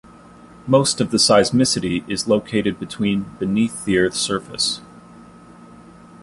Most of the seismicity is located between beneath the Earth's surface.